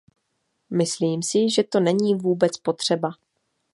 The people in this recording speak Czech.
Myslím si, že to není vůbec potřeba.